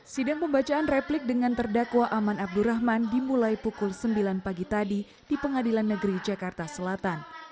sidang pembacaan replik dengan terdakwa aman abdurrahman dimulai pukul sembilan pagi tadi di pengadilan negeri jakarta selatan